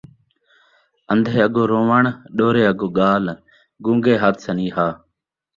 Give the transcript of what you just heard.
ان٘دھے اڳوں رووݨ ، ݙورے اڳوں ڳالھ ، گن٘گے ہتھ سنیہا